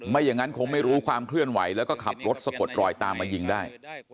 ไม่อย่างนั้นคงไม่รู้ความเคลื่อนไหวแล้วก็ขับรถสะกดรอยตามมายิงได้